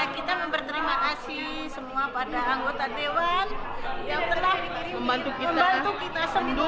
kita memperterima kasih semua pada anggota dewan yang telah membantu kita